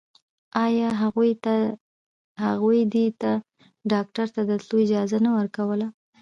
آيا هغوی دې ته ډاکتر ته د تلو اجازه نه ورکوله.